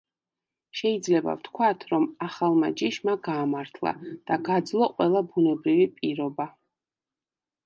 შეიძლება ვთქვათ, რომ ახალმა ჯიშმა გაამართლა და გაძლო ყველა ბუნებრივი პირობა.